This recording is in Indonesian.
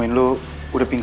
masuk kuliah dulu